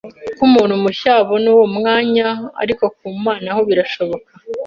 ko umuntu mushya abona uwo mwanya ariko ku Mana ho birashoboka.